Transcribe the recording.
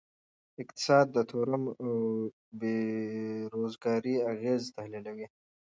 اقتصاد د تورم او بیروزګارۍ اغیز تحلیلوي.